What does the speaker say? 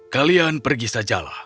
kalian pergi sajalah